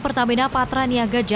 pertamina patra niaga yang berharga